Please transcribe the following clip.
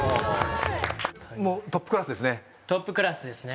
もうトップクラスですね？